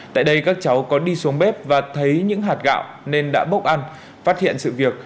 tại đây các cháu có đi xuống bếp và thấy những hạt gạo nên đã bốc ăn phát hiện sự việc